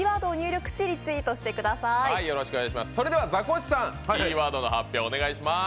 それでは、ザコシさん、キーワードの発表お願いします。